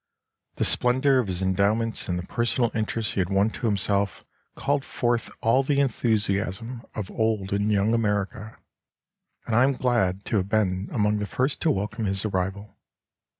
The splendour of his endowments and the personal interest he had won to himself called forth all the enthusiasm of old and young America, and I am glad to have been among the first to welcome his arrival.